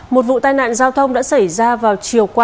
một vụ tai nạn giao thông đã xảy ra vào chiều qua